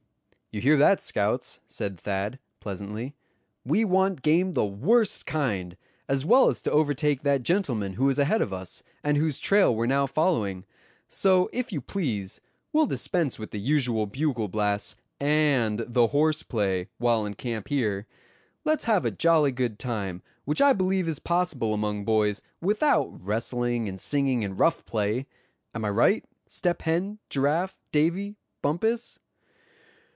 "You hear that, scouts," said Thad, pleasantly. "We want game the worst kind, as well as to overtake that gentleman who is ahead of us, and whose trail we're now following. So if you please, we'll dispense with the usual bugle blasts, and the horse play, while in camp here. Let's have a jolly good time, which I believe is possible among boys, without wrestling, and singing, and rough play. Am I right, Step Hen, Giraffe, Davy, Bumpus?"